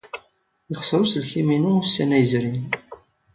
Yexṣer uselkim-inu ussan-a yezrin.